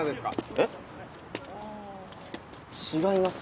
えっあ違います。